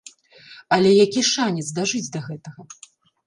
Але які шанец дажыць да гэтага!